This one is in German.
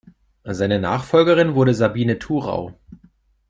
Seine Nachfolgerin wurde Sabine Thurau.